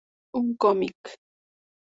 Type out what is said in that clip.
Un cómic.